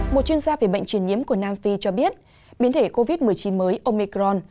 một chuyên gia về bệnh truyền nhiễm của nam phi cho biết biến thể covid một mươi chín mới omicron